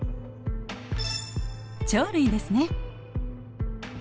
鳥類ですね。